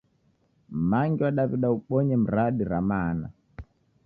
Mumangi wa Daw'ida ubonye miradi ra maana